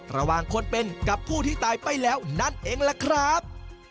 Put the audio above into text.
ระหว่างคนเป็นกับผู้ที่ตายไปแล้วนั่นเองล่ะครับ